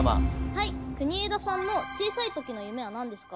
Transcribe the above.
はい国枝さんの小さい時の夢は何ですか？